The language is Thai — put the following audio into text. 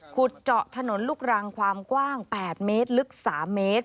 ขุดเจาะถนนลูกรังความกว้าง๘เมตรลึก๓เมตร